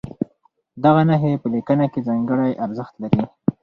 دغه نښې په لیکنه کې ځانګړی ارزښت لري.